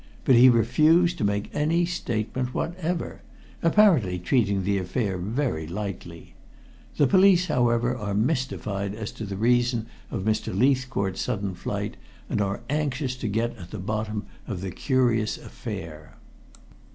But he refused to make any statement whatever, apparently treating the affair very lightly. The police, however, are mystified as to the reason of Mr. Leithcourt's sudden flight, and are anxious to get at the bottom of the curious affair."